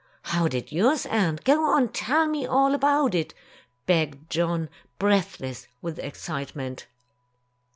"How did yours end? Go on, tell me all about it!" begged John, breathless with excitement.